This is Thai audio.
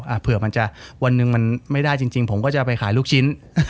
เผื่อมันจะวันหนึ่งมันไม่ได้จริงจริงผมก็จะไปขายลูกชิ้น